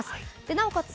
なおかつ